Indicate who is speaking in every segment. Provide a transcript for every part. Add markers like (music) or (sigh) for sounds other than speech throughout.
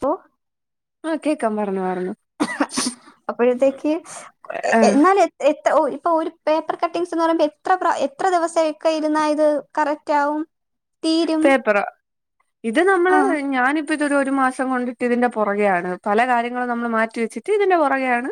Speaker 1: പ്പൊ
Speaker 2: ആഹ് കേക്കാം. പറഞ്ഞൊ പറഞ്ഞൊ
Speaker 1: അപ്പഴത്തേക്ക്
Speaker 2: ആഹ്
Speaker 1: എന്നാലും എ എത് ഒ ഇപ്പൊ ഒരു പേപ്പർ കട്ടിംങ്ങ്സ്ന്ന് പറയുമ്പോ എത്ര പ്ര എത്ര ദിവസെക്കെ ഇരുന്നാ ഇത് കറക്റ്റാവും?
Speaker 2: പേപ്പറൊ? ഇത് നമ്മള്
Speaker 1: ആഹ്
Speaker 2: ഞാനി പ്പതൊരു ഒരു മാസം കൊണ്ടിട്ട് ഇതിന്റെ പൊറകെയാണ്. പല കാര്യങ്ങളും നമ്മള് മാറ്റി വെച്ചിട്ട് ഇതിന്റെ പൊറകെയാണ്.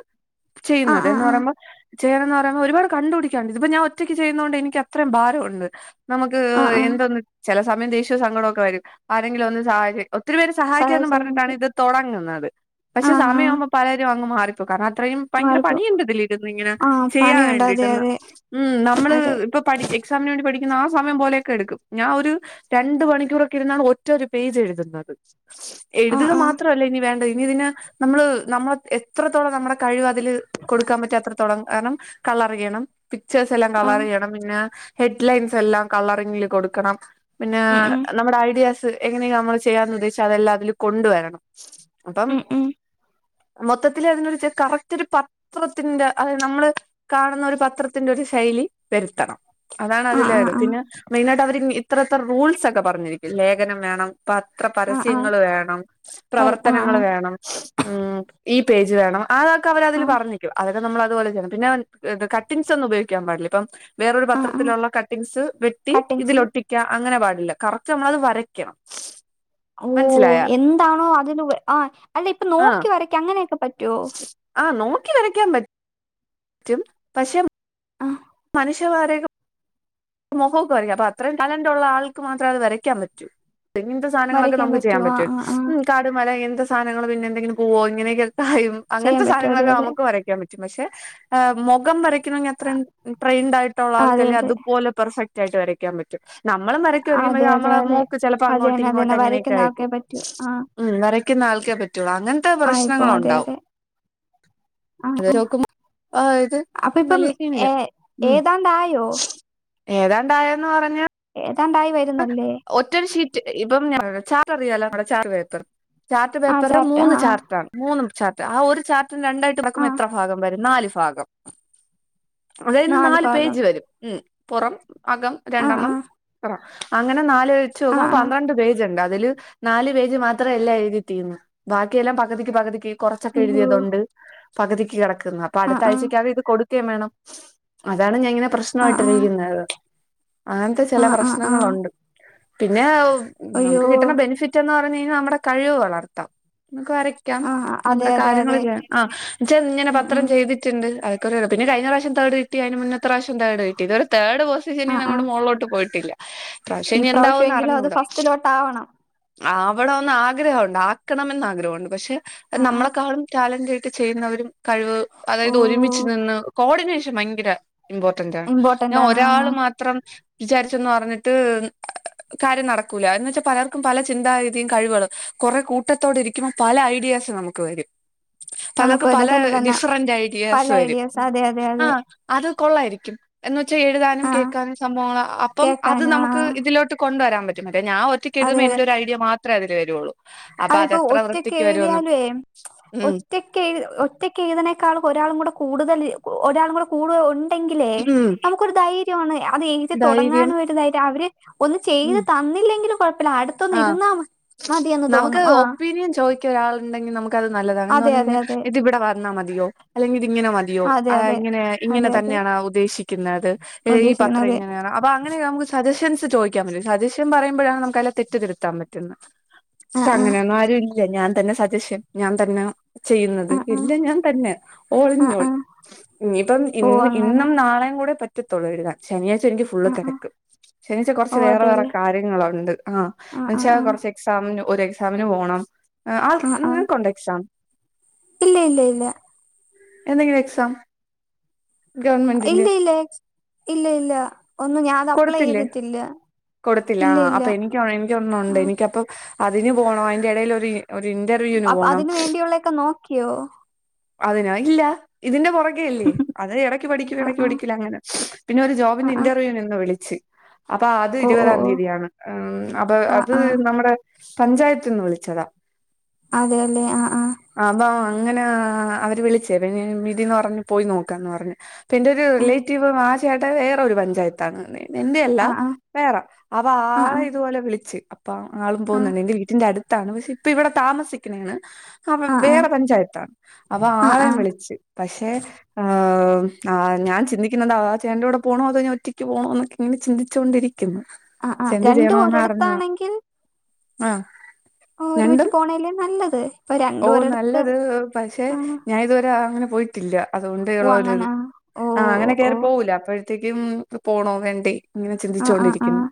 Speaker 1: ആഹ്
Speaker 2: ചെയ്യുന്നത്
Speaker 1: ആഹ്
Speaker 2: എന്ന്
Speaker 1: ആഹ്
Speaker 2: പറയ്മ്പം ചെയ്യണംന്ന് പറയുമ്പോ ഒരുപാട് കണ്ട്പിടിക്കാൻണ്ട്. ഇതിപ്പൊ ഞാൻ ഒറ്റയ്ക്ക് ചെയ്യുന്നോണ്ട് എനിക്കത്രയും ഭാരൊണ്ട്. നമുക്ക്
Speaker 1: ആഹ് ആഹ്
Speaker 2: എന്തൊന്ന് ചില സമയം ദേഷ്യം സങ്കടൊക്കെ വരും ആരെങ്കിലും ഒന്ന് സഹായിച്ചെ ഒത്തിരി പേര് സഹായിക്കാന്ന് പറഞ്ഞിട്ടാണ്
Speaker 1: സഹായിച്ചോന്നെനിക്ക്
Speaker 2: ഇത് തൊടങ്ങുന്നത്. പക്ഷെ
Speaker 1: ആഹ് ആഹ്
Speaker 2: സമയാവുമ്പം പലരും അങ്ങ് മാറിപ്പോകും. കാരണം അത്രയും ഭയങ്കര
Speaker 1: മാറിപ്പോ
Speaker 2: പണിയിണ്ടിതിലിരുന്നിങ്ങനെ
Speaker 1: ആഹ്
Speaker 2: ചെയ്യാൻ
Speaker 1: പണിയുണ്ട് അതെ
Speaker 2: വേണ്ടിട്ടന്ന്.
Speaker 1: അതെ
Speaker 2: ഉം നമ്മള്
Speaker 1: അതെ
Speaker 2: ഇപ്പ പഠി എക്സാമിന് വേണ്ടി പഠിക്കുന്ന ആ സമയം പോലെയൊക്ക എടുക്കും. ഞാൻ ഒരു രണ്ട് മണിക്കൂറൊക്കെ ഇരുന്നാണ് ഒറ്റ ഒരു പേജ് എഴുതുന്നത്.
Speaker 1: ആഹ്
Speaker 2: എഴുതുക
Speaker 1: ആഹ്
Speaker 2: മാത്രല്ല ഇനി വേണ്ടെ ഇനി ഇതിന് നമ്മള് നമ്മളെ എത്രത്തോളം നമ്മുടെ കഴിവ് അതില് കൊടുക്കാം പറ്റ അത്രത്തോളം കാരണം കളറെയ്യണം പിക്ചേഴ്സെല്ലാം
Speaker 1: ആഹ്
Speaker 2: കളറിയ്യണം പിന്നെ ഹെഡ്ലൈൻസെല്ലാം കളറിങ്ങില് കൊടുക്കണം പിന്നെ
Speaker 1: ഉം ഉം
Speaker 2: നമ്മുടെ ഐഡിയാസ് എങ്ങനെങ്കിലും നമ്മള് ചെയ്യാന്ന് ഉദ്ദേശിച്ചാ അതെല്ലാതില് കൊണ്ടുവരണം. അപ്പം
Speaker 1: ഉം ഉം
Speaker 2: മൊത്തത്തില് അതിനൊരു ചെ കറക്റ്റൊരു പത്രത്തിന്റെ അതായത് നമ്മള് കാണുന്നൊരു പത്ര ത്തിന്റൊരു ശൈലി വെരുത്തണം.
Speaker 1: ആഹ്
Speaker 2: അതാണതില്
Speaker 1: ആഹ്
Speaker 2: വേണ്ടത്.
Speaker 1: ആഹ്
Speaker 2: പിന്നെ മെയ്നായിട്ട അത്രത്ര റൂൾസൊക്കെ പറഞ്ഞിരിക്കും ലേഖനം വേണം,
Speaker 1: ആഹ് ആഹ്
Speaker 2: പത്രപരസ്യങ്ങള് വേണം,
Speaker 1: വര് ആഹ്
Speaker 2: പ്രവർത്തനങ്ങള്
Speaker 1: ആഹ്
Speaker 2: വേണം, ഉം ഈ പേജ് വേണം അതൊക്കെ അവരതില്
Speaker 1: ആഹ്
Speaker 2: പറഞ്ഞിക്കും. അ തൊക്കെ നമ്മളതുപോലെ ചെയ്യണം. പിന്നെ കട്ടിങ്സൊന്നും ഉപയോഗിക്കാൻ പാടില്ല. ഇപ്പം വേറൊരു
Speaker 1: ആഹ് ആഹ്
Speaker 2: പത്രത്തിലൊള്ള കട്ടിംങ്ങ്സ് വെട്ടി
Speaker 1: കട്ടിങ്സ്
Speaker 2: ഒട്ടിക്ക അങ്ങനെ പാടില്ല. കറക്റ്റ് നമ്മളത് വരയ്ക്കണം.
Speaker 1: ഓഹ്,
Speaker 2: മനസ്സിലായ
Speaker 1: എന്താണോ അതിന് ആഹ് അല്ല ഇപ്പൊ നോക്കി വരക്ക അങ്ങനൊക്കെ പറ്റൊ?
Speaker 2: ആഹ് നോക്കി വരയ്ക്കാൻ പ റ്റും പക്ഷെ
Speaker 1: അഹ്
Speaker 2: മനുഷ്യന്മാരേകെ മൊഖൊക്കെ വരയ്ക്ക അപ്പ അത്രേം ടലന്റുള്ള ആൾക്ക് മാത്രേ അത് വരയ്ക്കാൻ പറ്റൂ. എന്ത് സാനങ്ങളൊക്കെ
Speaker 1: വരയ്ക്കാൻ
Speaker 2: നമുക്ക് ചെയ്യാൻ
Speaker 1: പറ്റുവോ ആഹ്
Speaker 2: പറ്റും.
Speaker 1: ആഹ് ആഹ്
Speaker 2: ഉം കാട്, മല എന്ത് സാനങ്ങള് പിന്നെന്തെങ്കിലും പൂവോ ഇങ്ങനെയൊക്കെ ക്കായും
Speaker 1: ചെയ്യാൻ
Speaker 2: അങ്ങൻത്തെ
Speaker 1: പറ്റും അതെ
Speaker 2: സാനങ്ങളൊക്കെ
Speaker 1: അതെ
Speaker 2: നമുക്ക് വര യ്ക്കാൻ പറ്റും. പക്ഷെ മൊഖം വരയ്ക്കണെങ്കി അത്രയും ട്രെയിൻഡായിട്ടൊള്ള
Speaker 1: അതെ
Speaker 2: ആൾക്കല്ലെ
Speaker 1: അതെ
Speaker 2: അതും പോലെ പെർഫെക്റ്റായ്ട്ട് വരയ് ക്കാം പറ്റും. നമ്മളും വരക്കോയിരിക്കും
Speaker 1: അതെ
Speaker 2: പക്ഷെ
Speaker 1: അതെ
Speaker 2: നമ്മളെ
Speaker 1: അതെ
Speaker 2: മൂക്ക് ചെലപ്പോ അങ്ങോട്ട്
Speaker 1: അതെന്നെ
Speaker 2: ഇങ്ങോട്ട്
Speaker 1: അതെന്നെ
Speaker 2: അങ്ങനെയൊക്കെ
Speaker 1: വരയ്ക്കുന്ന ആൾക്കേ
Speaker 2: ആയിപ്പോവും.
Speaker 1: പറ്റൂ ആഹ്
Speaker 2: ഉം വരയ്ക്കുന്ന ആൾക്കേ പറ്റുള്ളൂ. അങ്ങനെ
Speaker 1: ആയിപ്പോ അതെ അതെ ആഹ്
Speaker 2: അത് വരെ
Speaker 1: ആഹ്
Speaker 2: നോക്കുമ്പ ആഹ് ഇത്
Speaker 1: അപ്പൊ ഇപ്പം
Speaker 2: വലിയ സീനില്ല
Speaker 1: ഏ
Speaker 2: ഉം
Speaker 1: ഏതാണ്ടായോ
Speaker 2: ഏതാണ്ടായന്ന് പറഞ്ഞ
Speaker 1: ഏതാണ്ടായി വരു
Speaker 2: ഒറ്റൊരു ഷീറ്റ് ഇപ്പം ഞാൻ ചാർട്ടറിയാലോ നമ്മടെ ചാർട്ട് പേപ്പർ ചാർട്ട്
Speaker 1: ആഹ്
Speaker 2: പേപ്പറിന്റെ
Speaker 1: ചാർട്ട് ആഹ്
Speaker 2: മൂന്ന്
Speaker 1: ആഹ്
Speaker 2: ചാർട്ടാണ് മൂന്നും ചാർട്ട് ആഹ് ഒരു ചാർട്ട് രണ്ടായിട്ട് മടക്കുമ്പ
Speaker 1: ആഹ്
Speaker 2: എത്ര ഭാഗംവരും നാല് ഭാഗം അതായത് നാല് പേജ് വരും ഉം പുറം അകം
Speaker 1: ആഹ്
Speaker 2: രണ്ടെണ്ണം
Speaker 1: ആഹ്
Speaker 2: പുറം അങ്ങനെ നാല് വെച്ച് നോക്കുമ്പോ
Speaker 1: ആഹ് ആഹ്
Speaker 2: പന്ത്രണ്ട് പേജുണ്ട് അതില് നാല് പേജ് മാത്രമേ എല്ലാ എഴുതി തീന്ന് ബാക്കിയെല്ലാം പകുതിക്ക് പകുതിക്ക് കുറച്ചൊക്കെ
Speaker 1: അയ്യോ
Speaker 2: എഴുതിയതുണ്ട് പകുതിക്ക് കിടക്കുന്ന അപ്പൊ
Speaker 1: ആഹ് ആഹ്
Speaker 2: അടുത്താഴ്ച്ചക്കകം ഇത് കൊടുക്കേം വേണം അതാണ് ഞാൻ ഇങ്ങനെ
Speaker 1: ആഹ്
Speaker 2: പ്രശ്നായിട്ട്
Speaker 1: ആഹ്
Speaker 2: ഇരിക്കുന്നത് അങ്ങനത്തെ ചില
Speaker 1: ആഹ് ആഹ് ആഹ്
Speaker 2: പ്രശ്നങ്ങളുണ്ട് പിന്നെ
Speaker 1: അയ്യോ
Speaker 2: നമുക്ക് കിട്ടുന്ന ബെനിഫി റ്റെന്ന് പറഞ്ഞ് കഴിഞ്ഞാൽ നമ്മുടെ കഴിവ് വളർത്താം നമുക്ക് വരയ്ക്കാം
Speaker 1: ആഹ് അതെ
Speaker 2: നമ്മുടെ
Speaker 1: അതെ
Speaker 2: കാര്യങ്ങൾ
Speaker 1: അതെ
Speaker 2: ചെയ്യാം ജ ഇങ്ങനെ
Speaker 1: ഉം
Speaker 2: പത്രം
Speaker 1: ഉം
Speaker 2: ചെയ് ട്ട്ണ്ട് (unintelligible) പിന്നെ കഴിഞ്ഞ പ്രാശ്യം തേർഡ് കിട്ടി അയിന് മുന്നത്രാശ്യം തേർഡ് ഇത് വരെ തേർഡ് പൊസിഷനിൽ
Speaker 1: ആഹ്
Speaker 2: ഇങ്ങട്
Speaker 1: ആഹ്
Speaker 2: മോളോട്ട് പോയിട്ടില്ല ഇപ്രാശ്യം
Speaker 1: ഈ
Speaker 2: ഇനി എന്താവോന്ന്
Speaker 1: പ്രാവശ്യമെങ്കിലും അത്
Speaker 2: അറിഞ്ഞൂടാ
Speaker 1: ഫസ്റ്റിലോട്ടാവണം
Speaker 2: ആവണെന്ന് ആഗ്രഹൊണ്ട് ആക്കണമെന്ന് ആഗ്രഹണ്ട് പക്ഷെ
Speaker 1: ആഹ് ആഹ്
Speaker 2: നമ്മളെക്കാളും ടാലന്റ് ആയിട്ട് ചെയ്യുന്നവരും കഴിവ് അതായത് ഒരുമിച്ച്
Speaker 1: ഓഹ്
Speaker 2: നിന്ന് കോർഡിനേഷൻ ഭയങ്കര ഇമ്പോർട്ടന്റ് ആണ് ഞാൻ
Speaker 1: ഇമ്പോർട്ടന്റ് ആണ്
Speaker 2: ഒരാള്
Speaker 1: ആഹ്
Speaker 2: മാത്രം വിചാരിച്ചന്ന് പറഞ്ഞിട്ട് കാര്യം നടക്കൂല്ല അന്ന് വെച്ചാൽ പലർക്കും പല ചിന്താഗതിയും കഴിവൾ കുറെ കൂട്ടത്തോട് ഇരിക്കുമ്പോൾ പല ഐഡിയാസ് നമുക്ക് ക്ക് വരും
Speaker 1: നമുക്ക്
Speaker 2: പലർക്ക്
Speaker 1: തന്നെ
Speaker 2: പല
Speaker 1: തന്നെ തന്നെ
Speaker 2: ഡിഫ്രണ്ട്
Speaker 1: പല
Speaker 2: ഐഡിയാസ്‌ വരും
Speaker 1: ഐഡിയാസ് അതെ അതെ അതെ
Speaker 2: അത് കൊള്ളായിരിക്കും എന്ന് വെച്ചാ എഴുതാനും
Speaker 1: ആഹ്
Speaker 2: കേൾക്കാനും സംഭവങ്ങൾ അപ്പം അത്
Speaker 1: കേക്കാൻ
Speaker 2: നമുക്ക്
Speaker 1: ആഹ്
Speaker 2: ഇതിലോട്ട് കൊണ്ടരാൻ പറ്റും ഞാ ഒറ്റക്
Speaker 1: അതെ
Speaker 2: എഴുത്തുമ്പോ
Speaker 1: അതെ
Speaker 2: എന്റൊരു ഐഡിയ മാത്രേ അതിൽ വരുള്ളൂ അപ്പൊ
Speaker 1: അതിപ്പോ
Speaker 2: അതെത്ര
Speaker 1: ഒറ്റക്ക്
Speaker 2: വൃത്തിക്ക് വരുമെന്ന്
Speaker 1: എഴുതിയാലുവേ
Speaker 2: ഉം
Speaker 1: ഒറ്റ ക്ക് ഒറ്റയ്ക്ക് എഴുതിനേക്കാൾ ഒരാളും കൂടെ കൂടുതൽ ഒരാളും കൂടെ കൂടുതൽ ണ്ടെങ്കിലേ
Speaker 2: ഉം
Speaker 1: നമുക്കൊരു ധൈര്യാണ് അത് എഴുതി
Speaker 2: ധൈര്യം
Speaker 1: തുടങ്ങാനും ഒരു ധൈര്യം അവര് ഒന്ന്
Speaker 2: ഉം
Speaker 1: ചെയ്ത് തന്നില്ലെങ്കിലും കൊഴപ്പില്ല അടുത്തൊന്ന്
Speaker 2: ആഹ്
Speaker 1: ഇരുന്നാ മതിയെന്ന് തോന്നും
Speaker 2: നമുക്ക്
Speaker 1: ആഹ്
Speaker 2: ഒപ്പീനിയൻ ചോദിക്കാൻ ഒരാള് ഇണ്ടെങ്കി നമുക്കത് നല്ലതാണ് എന്ന്
Speaker 1: അതെ അതെ
Speaker 2: പറഞ്ഞാ
Speaker 1: അതെ
Speaker 2: ഇത് ഇവിടെ വ ന്നാ മതിയോ അല്ലങ്കി ഇത് ഇങ്ങനെ മതി യോ
Speaker 1: അതെ
Speaker 2: ആ
Speaker 1: അതെ
Speaker 2: ഇങ്ങനെ ഇങ്ങനെ
Speaker 1: അതെ അതെ
Speaker 2: തന്നെയാണ് ഉദ്ദേശിക്കുന്നത് ഈ
Speaker 1: ഉദ്ദേശിക്കുന്നത്
Speaker 2: പത്രം
Speaker 1: അതെ
Speaker 2: ഇങ്ങനെയാണോ അപ്പൊ അങ്ങനെയൊക്കെ നമുക്ക് സജഷൻസ് ചോദിക്കാൻ പറ്റും സജഷൻ പറയുമ്പോഴാണ് നമുക്കതിലെ തെറ്റ് തിരുത്താൻ പറ്റുന്ന ച്ച
Speaker 1: ആഹ് ആഹ്
Speaker 2: അങ്ങനൊന്നും ആരു ഇല്ല ഞാൻ തന്നെ സജഷൻ ഞാൻ തന്ന ചെയ്യുന്നത്
Speaker 1: ആഹ്
Speaker 2: ഇല്ല ഞാൻ തന്നെ ഓൻ ഇൻ
Speaker 1: ആഹ് ആഹ്
Speaker 2: ആൾ
Speaker 1: ആഹ്
Speaker 2: ഇനിപ്പം ഇ
Speaker 1: ഓ അങ്ങനെ
Speaker 2: ഇന്നും നാളെയും കൂടെ പറ്റ റ്റത്തൊള്ള് എഴുതാൻ ശനിയാഴ്ച്ച എനിക്ക് ഫുള്ള്
Speaker 1: ആഹ് ആഹ്
Speaker 2: തിരക്കും ശനിയാഴ്ച്ച കുറച്ച്
Speaker 1: ഓ
Speaker 2: വ വേറെ
Speaker 1: അതെല്ലേ
Speaker 2: കാര്യങ്ങളുണ്ട് ആ
Speaker 1: ആഹ്
Speaker 2: എന്ന്
Speaker 1: ആഹ്
Speaker 2: വെച്ചാൽ
Speaker 1: ആഹ്
Speaker 2: കുറച്ച് എക്സാമിന് ഒരു എക്സാമിന് പോണം ആഹ് ആ നിനകൊണ്ടാ എക്സാം
Speaker 1: ഇല്ല ഇല്ല ഇല്ല
Speaker 2: എന്തെങ്കിലും എക്സാം
Speaker 1: ഇല്ല
Speaker 2: ഗവൺമെന്റിന്റെ
Speaker 1: ഇല്ല ഇല്ല ഇല്ല ഒന്നും ഞാൻ അപ്ലൈ
Speaker 2: കൊടുത്തില്ലേ
Speaker 1: ചെയ്തിട്ടില്ല
Speaker 2: കൊടുത്തില്ല
Speaker 1: ഇല്ല ഇല്ല
Speaker 2: അപ്പൊ എനിക്ക്
Speaker 1: ആ
Speaker 2: എനിക്കൊന്നുംണ്ട് എനിക്കപ്പ അതിന് പോണം അതിന്റെ ഇടേൽ ഒരു ഒരു ഇന്റർവ്യൂന്
Speaker 1: അപ്പ
Speaker 2: പോണം
Speaker 1: അതിന് വേണ്ടിയുള്ളൊക്കെ നോക്കിയോ
Speaker 2: അതിനാ ഇല്ല ഇതിന്റെ പുറകെ അല്ലേ അതെ ഇടയ്ക്ക് പഠിക്കും
Speaker 1: ആ
Speaker 2: ഇടക്ക്
Speaker 1: ആ
Speaker 2: പഠിക്കില്ല അങ്ങനെ പിന്നെ ഒരു
Speaker 1: ആ
Speaker 2: ജോബിന്റെ
Speaker 1: ആ
Speaker 2: ഇന്റർവ്യൂനിന്ന് വിളിച്ചു അപ്പൊ അത്
Speaker 1: ഓ ഓ
Speaker 2: ഇരുപതാം
Speaker 1: ഓ
Speaker 2: തീയതിയാണ് ഉം അപ്പൊ
Speaker 1: ആ
Speaker 2: അത്
Speaker 1: ആ
Speaker 2: നമ്മുടെ പഞ്ചായത്ത്ന്ന് വിളിച്ചതാ
Speaker 1: അതെല്ലേ ആഹ് ആഹ്
Speaker 2: അപ്പ അങ്ങനെ അവര് വിളിച്ചേ പിന്നെ വീട്ടിന്ന് പറഞ്ഞ് പോയി നോക്കന്ന് പറഞ്ഞ് ഇപ്പെ എന്റൊരു
Speaker 1: ആ
Speaker 2: റിലേറ്റീവ് ആ ചേട്ട വേറൊരു പഞ്ചായത്താണ് എന്റെയല്ല
Speaker 1: ആ ആ
Speaker 2: വേറെ അവ
Speaker 1: ആ ആ
Speaker 2: ആളെ ഇതുപോലെ വിളിച്ച് അപ്പ ആളും
Speaker 1: ആ ആ
Speaker 2: പോന്നുണ്ട് എന്റെ വീട്ടിന്റെ അടു ത്താണ് പക്ഷെ ഇപ്പ ഇവിടെ താമസിക്കന്നാണ് ആഹ് വേറെ പഞ്ചായത്താ അവ
Speaker 1: ആ ആ ആ
Speaker 2: ആളേം വിളിച്ച് പക്ഷേ ഏഹ് ആഹ് ഞാൻ ചിന്തിക്കുന്നതാ ആ ചേന്റെകുടെ പോണോ അതോ ഞാൻ ഒറ്റക്ക് പോണോ എന്നൊക്കെ ഇങ്ങനെ ചിന്തിച്ചുകൊണ്ടിരിക്കുന്നു
Speaker 1: ആഹ് ആഹ് രണ്ടും ഒരടത്താണെങ്കിൽ
Speaker 2: ആഹ്
Speaker 1: ആഹ് ഒര്മിച്ച് പോണേ അല്ലേ നല്ലത് ഇപ്പൊ രണ്ടും
Speaker 2: ഓഹ്
Speaker 1: ഒരിടത്ത്
Speaker 2: നല്ലത് പശെ
Speaker 1: ആ
Speaker 2: ഞാന് ഇത് വരെ അങ്ങനെ പോയിട്ടില്ലാ അത് കൊണ്ട്
Speaker 1: ഓ
Speaker 2: ഒള്ള ഒര് ഇത്
Speaker 1: അങ്ങനാ ഓ
Speaker 2: ആഹ്
Speaker 1: ഓ
Speaker 2: അങ്ങനെ
Speaker 1: ഓ
Speaker 2: കേറി പോവൂല്ലാ അപ്പഴത്തേക്കും പോണോ വേണ്ടേ ഇങ്ങനെ
Speaker 1: ആ ആ ആ
Speaker 2: ചിന്തിച്ചോണ്ടിരിക്കുന്നു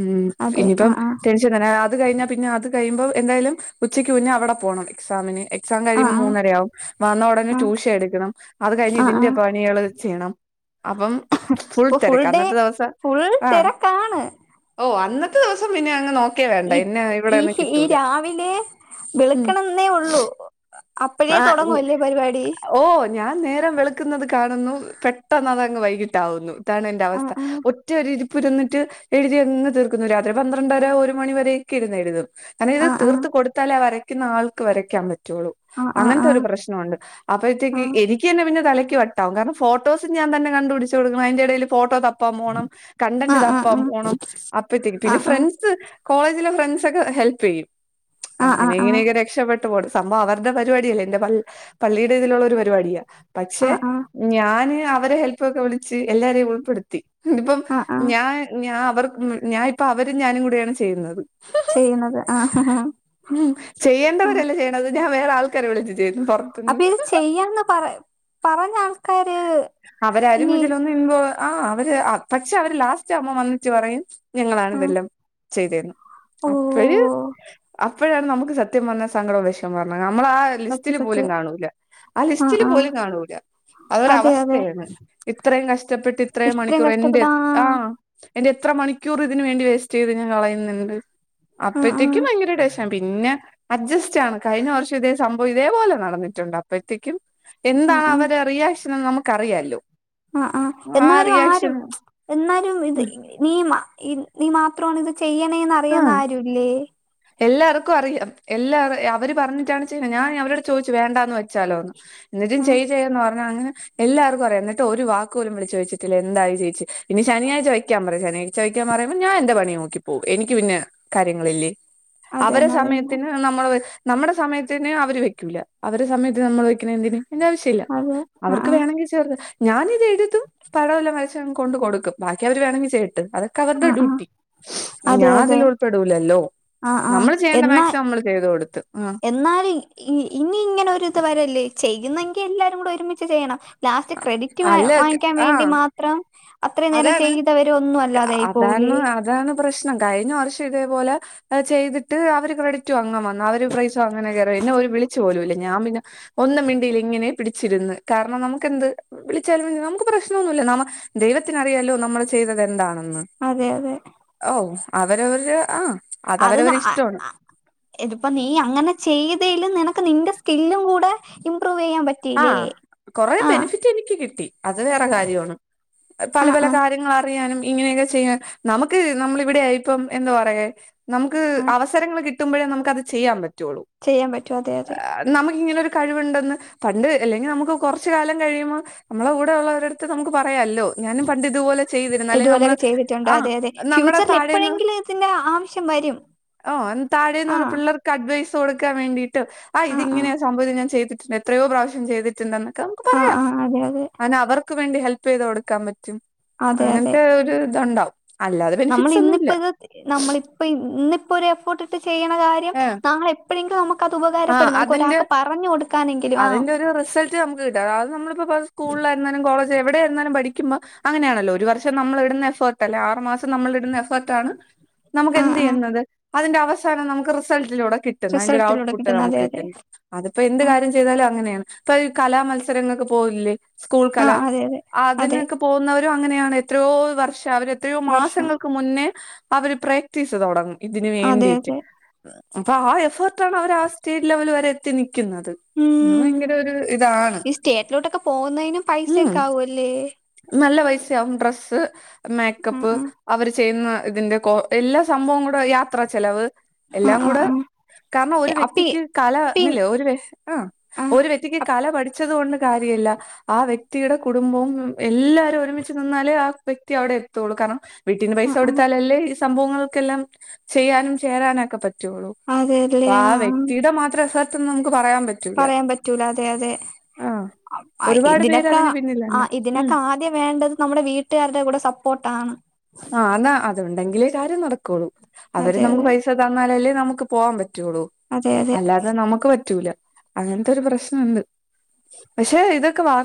Speaker 2: ഉം
Speaker 1: അതെ
Speaker 2: ഇനി
Speaker 1: ആ
Speaker 2: ഇപ്പം
Speaker 1: ആ
Speaker 2: ടെൻഷൻ തന്ന അത് കയിഞ്ഞാ പിന്നെ അത് കയിമ്പോ എന്തായാലും ഉച്ചയ്ക്ക് ഉന്നേ അവടെ പോണം എക്സാമിന് എക്സാം
Speaker 1: ആ ആ
Speaker 2: കയിമ്പോ മൂന്നരാ ആവും വന്നേ ഉടനെ
Speaker 1: ആ
Speaker 2: ട്യൂഷാൻ എട്ക്കണം അത് കയിഞ്ഞ്
Speaker 1: ആ ആ
Speaker 2: ഇതിന്റെ പണികള് ചെയ്യാണം അപ്പം ഫുള്ള്
Speaker 1: അപ്പൊ ഫുൾ
Speaker 2: തെരക്ക
Speaker 1: ഡേ
Speaker 2: അന്നത്തെ ദിവസം
Speaker 1: ഫുൾ
Speaker 2: ആഹ്
Speaker 1: തിരക്കാണ്
Speaker 2: ഓഹ് അന്നത്തെ ദിവസം പിന്നെ അങ്ങ് നോക്കെ വേണ്ടാ എന്നെ ഇവടെ ഒന്നും കിട്ടൂല്ലാ
Speaker 1: പിന്നെ വെള്ക്കണം എന്നേ ഒള്ളൂ അപ്പഴേ തൊടങ്ങും അല്ലേ പരിപാടി
Speaker 2: ഓഹ് ഞാൻ നേരം വെള്ക്ക്ന്നത് കാണുന്നു പെട്ടെന്ന് അത് അങ്ങ് വൈക്ട്ടാവുന്നു ഇതാണ് എന്റെ അവസ്ഥ
Speaker 1: ആഹ്
Speaker 2: ഒറ്റാ ഒര് ഇര് പ്പ് ഇര്ന്നിട്ട് എഴുതി അങ്ങ് തീർക്കുന്നു രാത്രി പന്ത്രണ്ടാര ഒരു മണി വെരെക്കേ ഇര്ന്ന് എഴുതും അതായത്
Speaker 1: ആഹ് ആഹ്
Speaker 2: തീർത്ത് കൊടുത്താലേ ആ വാരയ്ക്കുന്ന ആൾക്ക് വരയ്ക്കാൻ പറ്റോള്ളൂ
Speaker 1: ആഹ്
Speaker 2: അങ്ങനത്തെ ഒര്
Speaker 1: ആഹ്
Speaker 2: പ്രശ്നോണ്ട് അപ്പഴത്തേക്ക് എനി ക്ക് അന്നെ പിന്നെ തലയ്ക്ക് വട്ടാവും കാരണം ഫോട്ടോസ് ഞാൻ തന്നെ കണ്ട് പിടിച്ച് കൊടുക്കണം അയിന്റെ എടെല് ഫോട്ടേ താ പ്പം പോണം കണ്ടാന്റ്
Speaker 1: ആഹ് ആഹ്
Speaker 2: തപ്പാൻ
Speaker 1: ആഹ്
Speaker 2: പോണം അപ്പത്തേക്ക് പിന്നെ
Speaker 1: ആഹ്
Speaker 2: ഫ്രണ്ട്സ് കോളേജിലെ ഫ്രണ്ട്സേക്കെ ഹെൽപ് ചെയ്യും
Speaker 1: ആഹ് ആഹ്
Speaker 2: അങ്ങനെ
Speaker 1: ആഹ്
Speaker 2: ഇങ്ങനെയൊക്കെ രക്ഷപ്പെട്ട് പോണ് സംഭവം അവർ ടെ പരിപാടിയല്ലേ എന്റെ പ പള്ളിടെ ഇതിലോള്ള ഒര് പരിപാടിയാ പശെ
Speaker 1: ആഹ് ആഹ്
Speaker 2: ഞാന് അവരെ ഹെൽപ് ഒക്കെ വിളിച്ച് എല്ലാരേം ഉൾപ്പെടുത്തി ഇപ്പം
Speaker 1: ആഹ് ആഹ്
Speaker 2: ഞാൻ ഞാ അവർ ഞാൻ ഇപ്പ അവര് ഞാനും കൂടെയാണ് ചെയ്യുന്നത്
Speaker 1: ചെയ്യുന്നത് ആഹ് ആഹ്
Speaker 2: ഉം ചെയ്യേണ്ടവരാ അല്ലേ ചെ ഞാൻ വേറെ ആൾക്കാരെ വിളിച്ച് ചെയ്തു പൊറ
Speaker 1: അപ്പൊ ഇത് ചെയ്യാന്ന് പറ പറഞ്ഞാ ആൾക്കാര്
Speaker 2: അവരാരും
Speaker 1: ഇനി
Speaker 2: ഇതിലൊന്നും ഇൻവൊ ആഹ് അവര് ആഹ് പശേ അവര് ലാസ്റ്റ് ആമ്പോ വന്നിട്ട് പറയും ഞങ്ങളാണ്
Speaker 1: ആഹ്
Speaker 2: ഇതെല്ലാം ചെയ്തേന്ന് അപ്പാഴ്
Speaker 1: ഓഹ്
Speaker 2: അപ്പഴാണ് നമ്മ്ക്ക് സത്യം പറഞ്ഞാ സങ്കടോം വേഷാമോം വെരാണേ നമ്മളാ
Speaker 1: സത്യം
Speaker 2: ലിസ്റ്റില് പോലും
Speaker 1: സത്യം
Speaker 2: കാണുല്ലാ ആ
Speaker 1: ആഹ്
Speaker 2: ലിസ്റ്റില്
Speaker 1: ആഹ്
Speaker 2: പോലും കാണൂല്ലാ അതൊര്
Speaker 1: അതെ
Speaker 2: അവസ്
Speaker 1: അതെ
Speaker 2: തെന്ന് ഇത്രം കഷ്ടപ്പെട്ട് ഇത്രം
Speaker 1: ഇത്രയും
Speaker 2: മണിക്കൂറ് എന്റെ
Speaker 1: കഷ്ടപ്പെട്ട്
Speaker 2: ആഹ് എന്റെ എത്ര മണിക്കൂറ് ഇതിന് വേണ്ടി വേസ്റ്റ് ചെയ്ത് ഞാൻ കളയ്ന്നോണ്ട്
Speaker 1: ആഹ്
Speaker 2: അപ്പഴത്തേക്കും
Speaker 1: ആഹ്
Speaker 2: പയങ്കര ഡെസ്‌ ഞാൻ പിന്നെ അഡ്ജസ്റ്റ് ആണ് കയിഞ്ഞ വർഷോം ഇതേ സംഭവം ഇതേപോലെ നടന്നിട്ട് ഒണ്ട് അപ്പയ്ത്തേക്കും
Speaker 1: ആഹ്
Speaker 2: എന്താണ്
Speaker 1: ആഹ്
Speaker 2: അവരെ റിയാക്ഷൻ എന്ന് നമ്മക്ക് അറിയാലോ
Speaker 1: ആഹ് ആഹ് എന്നാലും ആരും എന്നാലും ഇത് നീമ ഇ നീ മാത്രണ് ഇത് ചെയ്യണേന്ന് അറിയാന്ന
Speaker 2: ആഹ്
Speaker 1: ആരും ഇല്ലേ
Speaker 2: എല്ലാർക്കും അറിയാം എല്ലാവര് അവര് പറഞ്ഞിട്ടാണ് ചെയ്യ്ന്നെ ഞാൻ അവരോട് ചോയിച്ചു വേണ്ടാന്ന് വെച്ചാലോന്ന് എന്നിട്ടും
Speaker 1: ഉം
Speaker 2: ചെയ് ചെയ്യന്ന് പറഞ്ഞ് അങ്ങനെ എല്ലാർക്കും അറിയാം എന്നിട്ട് ഒര് വാക്ക് പോലും വിള് ചോയിട്ടില്ല എന്തായി ചോച്ചി ഇനി ശനിയാഴ്ച വെയ്ക്കാൻ പറയും ശനി ച്ച വെയ്ക്കാൻ പറയ്മ്പോ ഞാൻ എന്റെ പണി നോക്കിപ്പോകും എനിക്ക് പിന്നെ കാര്യങ്ങള് ഇല്ല്യേ അവരെ
Speaker 1: അതന്നെ അതന്നെ
Speaker 2: സമയത്തിന് നമ്മള് വെച് നമ്മടെ സമയത്തിന് അവര് വെക്കൂല്ല അവരെ സമയത്ത് നമ്മള് വെക്ക്യണെ എന്തിന് അയിൻ്റെ ആവിശ ഇല്ല
Speaker 1: അതെ ആ
Speaker 2: അവർക്ക്
Speaker 1: ആ
Speaker 2: വേണെങ്കി സ് ഞാന് ഇത് എഴുതും പടം എല്ലാം വരച്ച് അങ്ങ് കൊണ്ട് കൊടുക്കും, ബാക്കി അവര് വേണാങ്കി ചെയ്യട്ട് അത ക്കേ അവർടെ
Speaker 1: ആ ആ
Speaker 2: ഡ്യൂട്ടി
Speaker 1: അതെ
Speaker 2: ഞാൻ
Speaker 1: അതെ
Speaker 2: അതില് ഉൾപ്പെടൂല്ലല്ലോ?
Speaker 1: ആ ആ
Speaker 2: നമ്മള് ചെയ്യേണ്ടാ മാക്സിമം നമ്മള് ചെയ്ത് കൊടുത്ത് ആഹ്
Speaker 1: ന്നാലും ഇ ഇനി ഇങ്ങനെ ഒര് ഇത് വെരല്ല് ചെയ്യുന്നങ്കി എല്ലാരുടെ ഒരുമിച്ച് ചെയ്യണം ലാസ്റ്റ് ക്രെഡിറ്റ് വാ
Speaker 2: അല്ല
Speaker 1: വാങ്ങിക്കാൻ വേണ്ടി
Speaker 2: ആഹ്
Speaker 1: മാ ത്രം അത്ര നേരം
Speaker 2: അതാണ്
Speaker 1: ചെയ്തവര് ഒന്നും അല്ലാതൊ ആയി പോവുലെ
Speaker 2: അതാണ് അതാണ് പ്രശ്നം കഴിഞ്ഞ വർഷം ഇതേ പൊലെ ചെയ്തിട്ട് അവര് ക്രെഡിറ്റ് വാങ്ങാൻ വ ന്നാ അവര് പ്രൈസ് വാങ്ങാൻ കെറി എന്നെ ഒര് വിളിച്ചാ പോലും ഇല്ല ഞാൻ പിന്നെ ഒന്നും മിണ്ടില്ലാ ഇങ്ങനെ പിടിച്ചിരുന്ന്, കാരണം നമ്മക്ക് എന്ത് വിളിച്ചാലും നമ്മക്ക് പ്രശ്നമൊന്നും ഇല്ല. നമ്മ ദൈവത്തിന് അറിയാല്ലോ നമ്മള് ചെയ്തത് എന്താ ആണെന്ന്
Speaker 1: അതെയതെ
Speaker 2: ഓഹ് അവരവര് ആ
Speaker 1: അത് ന-
Speaker 2: അതവരവരെ
Speaker 1: അ-
Speaker 2: ഇഷ്ടാണ്.
Speaker 1: അ- ഇതിപ്പോ നീ അങ്ങനെ ചെയ്തേലും നിനക്ക് നിന്റെ സ്കില്ലും കൂടെ ഇമ്പ്രൂചെയ്യാപ
Speaker 2: ആഹ്, കൊറെ ബെനിഫിറ്റെനിക്ക് കിട്ടി അത് വേറെ കാര്യാണ്. പല
Speaker 1: ആ
Speaker 2: പല
Speaker 1: ആ
Speaker 2: കാര്യങ്ങള റിയാനും, ഇങ്ങനെയൊക്കെ ചെയ്യാൻ, നമുക്ക് നമ്മളിവിടെയിപ്പം എന്താ പറയേ? നമുക്ക്
Speaker 1: ആ
Speaker 2: അവസരങ്ങള് കിട്ടുമ്പോഴേ, നമുക്കത് ചെയ്യാൻ പറ്റൊള്ളൂ.
Speaker 1: ചെയ്യാൻ പറ്റും, അതെ അതെ
Speaker 2: നമുക്കിങ്ങനെയൊരു കഴിവ്ണ്ടെന്ന് പണ്ട് എല്ലെങ്കി, നമുക്ക് കൊറച്ച് കാലം കഴിയുമ്പോ മ്മളെ കൂടെയു ള്ളവരട്ത്ത് നമുക്ക് പറയാല്ലോ! ഞാനും പണ്ടിതുപോലെ ചെയ്തിരുന്നു അല്ലെങ്കി നമ്മള്
Speaker 1: ഇതുപോലെയൊക്കെ ചെയ്തിട്ടുണ്ട്
Speaker 2: ആ
Speaker 1: അതെ അതെ
Speaker 2: നമ്മളെ
Speaker 1: ഫ്യൂച്ചറിൽ
Speaker 2: താഴേന്ന്
Speaker 1: എപ്പോഴെങ്കിലും ഇതിന്റെ ആവശ്യം വരും.
Speaker 2: ഓ! അന്ന് താഴേന്ന്
Speaker 1: ആ
Speaker 2: വന്ന പിള്ളേർക്ക് അഡ്വൈസ് കൊടുക്കാൻ വേണ്ടിയിട്ട് ആ ഇത് ഇങ്ങനെയൊ രു സംഭവം ഞാൻ ചെയ്തിട്ടുണ്ടാ എത്രയോ പ്രാവശ്യം ചെയ്ത്ട്ടുണ്ട ന്നൊക്കെ-
Speaker 1: ആ ആ അതെയതെ.
Speaker 2: അനെ അവർക്ക് വേണ്ടി ഹെൽപ് ചെയ്തൊടുക്കാൻ പറ്റും.
Speaker 1: അതെ
Speaker 2: അങ്ങനത്തെ ഒരിതുണ്ടാവും.
Speaker 1: നമ്മളിന്നിപ്പത് നമ്മളി ഇപ്പോ ഇന്നിപ്പൊരു എഫോർട്ടിട്ട് ചെയ്യ്ണ കാര്യം
Speaker 2: ഏ
Speaker 1: നാളെപ്പഴങ്കി നമു
Speaker 2: ആഹ്
Speaker 1: ക്കതുപകാരപ്പെടും, നമുക്ക് ഒരാക്ക് പറഞ്ഞു കൊടുക്കാനെങ്കിലും ആ
Speaker 2: റിസൽ റ്റ് നമ്മക്ക്‌ കിട്ടണം. അത് നമ്മളിപ്പോ സ്കൂളിലായിരുന്നാലും, കോളജ് എവിടായിരുന്നാലും, പഠിക്ക്മ്പൊ അങ്ങനാണല്ലോ ഒരു വർഷം നമ്മളിടുന്ന എഫർട്ട് അല്ലാ ആറു മാസം നമ്മളിടുന്ന എഫർട്ടാണ്-
Speaker 1: ആ ആ
Speaker 2: നമുക്കെന്തെയ്യുന്നത്? അതിന്റെ അവസാനം നമുക്ക് റിസൾട്ടിലൂടെ കിട്ടുന്ന അയ്ന്റൊരു
Speaker 1: റിസൾട്ടിലൂടെ
Speaker 2: ഔട്ട്പുട്ട്
Speaker 1: കിട്ടുന്ന അതെ അതെ
Speaker 2: നമുക്കിട്ടുന്നു. അത്പ്പോ എന്ത്
Speaker 1: ആ
Speaker 2: കാര്യം ചെയ്താലും അങ്ങനേണ്, ഇപ്പൊ ഈ കലാ മത്സരങ്ങക്ക് പോവുല്ലേ!
Speaker 1: ആ
Speaker 2: സ്കൂൾകല
Speaker 1: അതെ അതെ അതെ
Speaker 2: അതിനൊക്കെ പോകുന്നവരും അങ്ങനെയാണ്, എത്രയോ വർഷം അവർ എത്രയോ
Speaker 1: വർഷം
Speaker 2: മാസങ്ങൾ- ക്ക്‌ മുന്നേ, അവര് പ്രാക്ടീസ് തൊടങ്ങും ഇതിന്
Speaker 1: അതെ
Speaker 2: വേണ്ടിട്ട്
Speaker 1: അതെ
Speaker 2: അപ്പൊ ആ എഫേർട്ടാണവര് ആ സ്റ്റേറ്റ്ലെവല് വരെ എത്തി നിക്ക്‌ന്നത്. അഹ്‌
Speaker 1: ഉം
Speaker 2: ഭയങ്കരൊര് ഇതാണ്
Speaker 1: ഈ സ്റ്റേറ്റിലോട്ടൊക്കെ പോകുന്നതിനും
Speaker 2: ഉം
Speaker 1: പൈസയൊക്കെ ആവുമല്ലേ
Speaker 2: നല്ല പൈസ്യാവും, ഡ്രെസ്സ്
Speaker 1: ആ
Speaker 2: മേക്കപ്പ്- അവര് ചെയ്യുന്ന ഇതിന്റെ എല്ലാ കൊ എല്ലാ സംഭവം കൂടെ യാത്ര ചെലവ്-
Speaker 1: ആ ആ ആ
Speaker 2: എല്ലാംകൂടെ,
Speaker 1: ആ
Speaker 2: കാരണം ഒരു
Speaker 1: അപ്പി
Speaker 2: വ്യക്തിക്ക് കല
Speaker 1: പിൻ
Speaker 2: ന്നില്ലേ ഒരു വ ആ ഒരു വ്യക്തിക്ക്-
Speaker 1: അപ്പ്
Speaker 2: കല പഠിച്ചത്കൊണ്ട് കാര്യല്ല. ആ വ്യക്തിയുടെ കുടുംബവും എല്ലാരും ഒരുമിച്ച് നിന്നാലേ, ആ വ്യക്തി അവിടെയെത്തൊള്ളൂ കാരണം വീട്ടിന്ന്
Speaker 1: ആ
Speaker 2: പൈസ
Speaker 1: ആ
Speaker 2: കൊടുത്താലല്ലേ, ഈ സംഭവങ്ങൾക്കെല്ലാം ചെയ്യാനും ചേരാനൊക്കെ പ റ്റൊള്ളൂ,
Speaker 1: അതെല്ലേ
Speaker 2: അപ്പൊ ആ
Speaker 1: ആഹ്
Speaker 2: വ്യക്തിയുടെ മാത്ര എഫേട്ടെന്ന് നമുക്ക് പറയാൻ പ
Speaker 1: പറയാൻ പറ്റൂല, അതെയതെ അ അ
Speaker 2: ഒരുപാട് പേര്
Speaker 1: ഇതിനൊക്കെ-
Speaker 2: അതിന്
Speaker 1: ആ
Speaker 2: പിന്നിലുണ്ട്
Speaker 1: ഇതിനൊക്കെ ആദ്യം വേണ്ടത്, നമ്മുടെ വീട്ടുകാരുടെ കൂടെ സപ്പോട്ടാണ്.
Speaker 2: ആഹ് ന്നാ അ ത്ണ്ടെങ്കിലേ കാര്യം നടക്കൊള്ളൂ, അവര്
Speaker 1: അതെ
Speaker 2: നമുക്ക്
Speaker 1: അതെ
Speaker 2: പൈസ തന്നാലല്ലേ, നമുക്ക് പോവാൻ പറ്റൊള്ളൂ.
Speaker 1: അതെ അതെ
Speaker 2: അല്ലാതെ നമുക്ക് പറ്റൂല, അങ്ങൻത്തൊരു പ്രശ്നണ്ട്. പക്ഷെ ഇതൊക്കെ വാർ